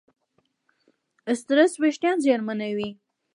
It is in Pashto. سټرېس وېښتيان زیانمنوي.